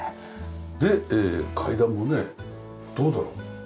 で階段もねどうだろう？